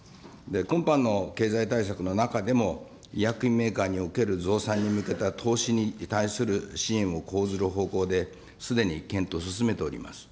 今般の経済対策の中でも、医薬品メーカーにおける増産に向けた投資に対する支援を講ずる方向ですでに検討を進めております。